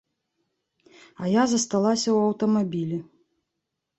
А я засталася ў аўтамабілі.